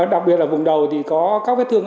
đặc biệt là vùng đầu thì có các vết thương